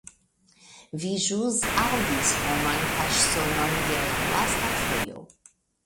Vi ĵus aŭdis homan paŝsonon je la lasta fojo.